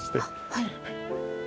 はい。